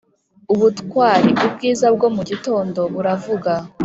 "ubutwari!" ubwiza bwo mu gitondo buravuga;